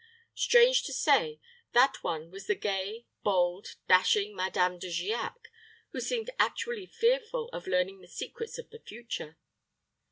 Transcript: Strange to say, that one was the gay, bold, dashing Madame De Giac, who seemed actually fearful of learning the secrets of the future.